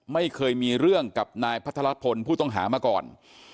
ไม่เคยมีเรื่องกับนายพัทรพลผู้ต้องหามาก่อน